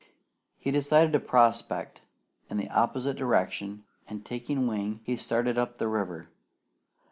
He decided to prospect in the opposite direction, and taking wing, he started up the river.